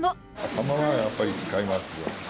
頭はやっぱり使いますよ。